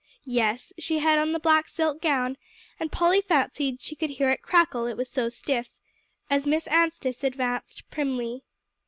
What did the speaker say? Yes, she had on the black silk gown, and Polly fancied she could hear it crackle, it was so stiff, as Miss Anstice advanced primly.